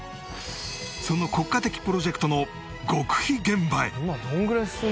その国家的プロジェクトの極秘現場へ